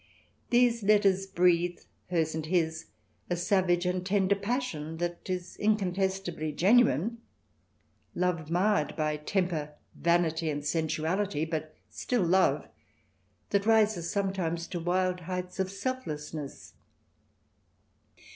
These letters breathe, hers and his, a savage and tender passion that is incontest ably genuine, love marred by temper, vanity, and sensuality, but still love, that rises some times to wild heights of selflessness.